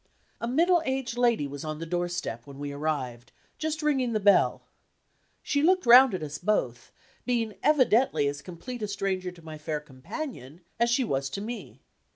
A middle aged lady was on the doorstep, when we arrived, just ringing the bell. She looked round at us both; being evidently as complete a stranger to my fair companion as she was to me.